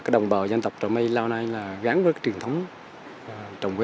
đồng bảo dân tộc trà my lâu nay gắn với truyền thống trồng quế